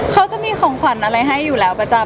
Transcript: เขาจะมีของขวัญอะไรให้อยู่แล้วประจำ